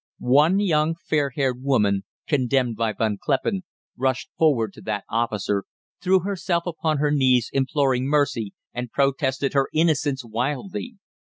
One young fair haired woman, condemned by Von Kleppen, rushed forward to that officer, threw herself upon her knees, imploring mercy, and protested her innocence wildly.